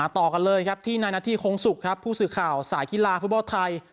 ต่อกันเลยครับที่นายนาธิโค้งสุกครับผู้สื่อข่าวสายกีฬาฟุตบอลไทย